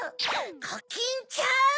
コキンちゃん！